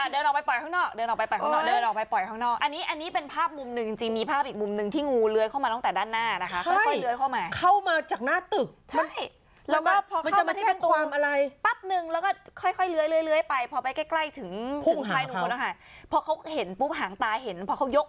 เดินออกมานี่ไปเรียกตำรวจแล้ว